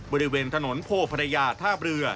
บริเวณถนนโพภรรยาท่าเรือ